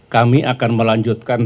kami akan melanjutkan